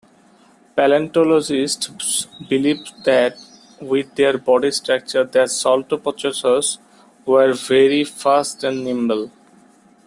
Paleontologists believe that with their body structures that "Saltoposuchus" were very fast and nimble.